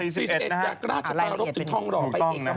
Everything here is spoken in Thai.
๔๑จากราชภารกิจถองรอไปเอกลับ